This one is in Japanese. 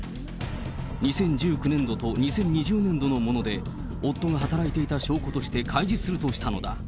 ２０１９年度と２０２０年度のもので、夫が働いていた証拠として開示するとしたのだ。